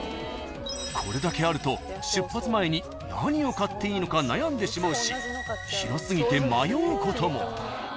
［これだけあると出発前に何を買っていいのか悩んでしまうし広過ぎて迷うことも］